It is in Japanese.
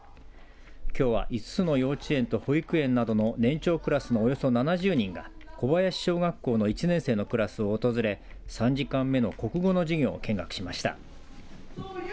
きょうは５つの幼稚園と保育園などの年長クラスのおよそ７０人が小林小学校の１年生のクラスを訪れ３時間目の国語の授業を見学しました。